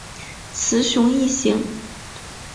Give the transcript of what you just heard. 雌雄异型。